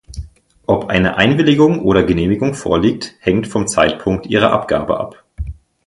Ob eine Einwilligung oder Genehmigung vorliegt, hängt vom Zeitpunkt ihrer Abgabe ab.